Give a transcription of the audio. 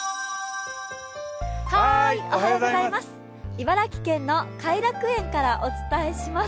茨城県の偕楽園からお伝えします。